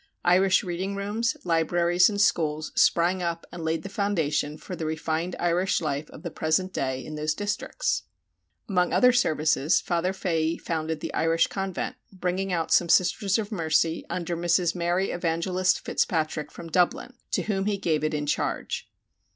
Irish reading rooms, libraries, and schools sprang up and laid the foundation for the refined Irish life of the present day in those districts. Among other services, Father Fahy founded the Irish convent, bringing out some Sisters of Mercy under Mrs. Mary Evangelist Fitzpatrick from Dublin, to whom he gave it in charge.